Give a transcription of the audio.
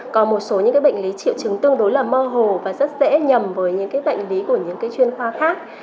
còn một số những bệnh lý triệu chứng tương đối là mơ hồ và rất dễ nhầm với những bệnh lý của những chuyên khoa khác